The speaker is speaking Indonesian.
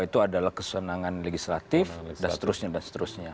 tetaplah di cnn indonesia pranjus